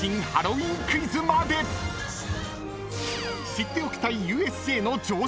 ［知っておきたい］